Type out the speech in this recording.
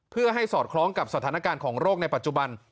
เพื่อให้สอดคล้องกับสถานการณ์ของโรคในปัจจุบัน